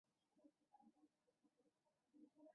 其穹顶有一个非常新颖的螺旋形顶塔。